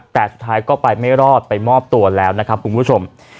แต่สุดท้ายก็ไปไม่รอดไปมอบตัวแล้วนะครับคุณผู้ชม